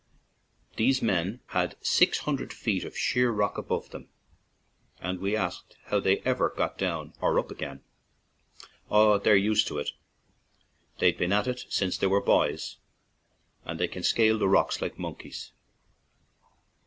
These men had six hundred feet of sheer rock above them, and we asked how they ever got down or up again. "Oh, they're used to it; they've been at it since they were boys, and they can scale the rocks like monkeys."